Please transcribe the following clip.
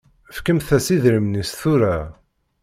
Fkemt-as idrimen-is tura.